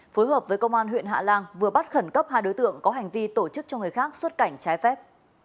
phối hợp với công an huyện hạ lan vừa bắt khẩn cấp hai đối tượng có hành vi tổ chức cho người khác xuất cảnh trái phép